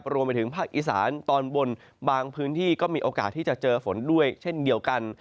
รวมไปถึงภาคอีสานตอนบนบางพื้นที่ก็มีโอกาสที่จะเจอฝนด้วยเช่นเดียวกัน